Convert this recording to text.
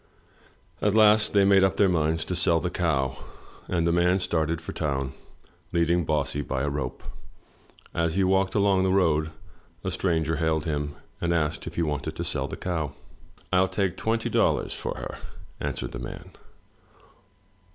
At last they made up their minds to sell the cow, and the man started for town leading Bossy by a rope. As he walked along the road, a stranger hailed him, and asked if he wanted to sell the cow. '*ril take twenty dollars for her," answered the man.